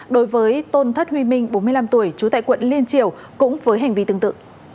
đối với tôn thất huy minh bốn mươi năm tuổi trú tại quận liên triều cũng với hành vi tương tự